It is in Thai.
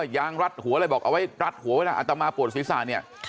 ยางรัดหัวอะไรบอกเอาไว้รัดหัวไว้จากอาตมาปวดศิษย์